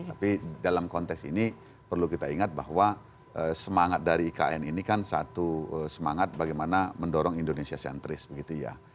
tapi dalam konteks ini perlu kita ingat bahwa semangat dari ikn ini kan satu semangat bagaimana mendorong indonesia sentris begitu ya